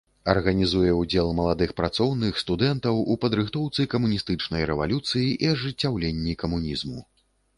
Арганізуе ўдзел маладых працоўных, студэнтаў у падрыхтоўцы камуністычнай рэвалюцыі і ажыццяўленні камунізму.